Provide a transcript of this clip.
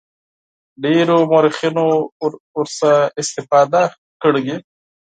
ډیرو مورخینو ورڅخه استفاده کړې.